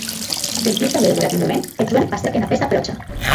Dempús d’auer demorat un moment, eth joen passèc ena pèça pròcha.